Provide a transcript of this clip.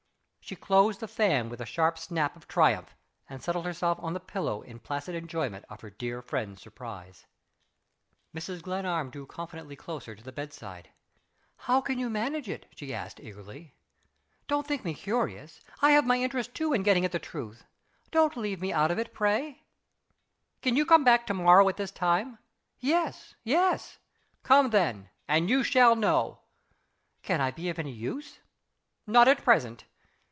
She closed the fan with a sharp snap of triumph, and settled herself on the pillow in placid enjoyment of her dear friend's surprise. Mrs. Glenarm drew confidentially closer to the bedside. "How can you manage it?" she asked, eagerly. "Don't think me curious. I have my interest, too, in getting at the truth. Don't leave me out of it, pray!" "Can you come back to morrow, at this time?" "Yes! yes!" "Come, then and you shall know." "Can I be of any use?" "Not at present."